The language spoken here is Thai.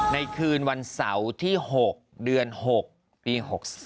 ในคืนวันเสาร์ที่๖เดือน๖ปี๖๒